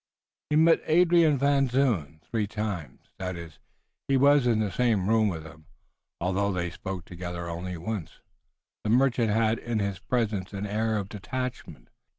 He met Adrian Van Zoon three times, that is, he was in the same room with him, although they spoke together only once. The merchant had in his presence an air of detachment.